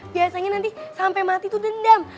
biasanya nanti sampai mati itu dendam